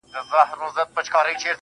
ماته هينداره څو نارونه او د خدای تصور_